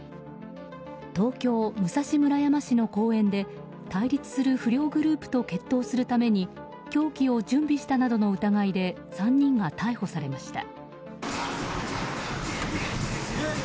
東京・武蔵村山市の公園で対立する不良グループと決闘するために凶器を準備したなどの疑いで３人が逮捕されました。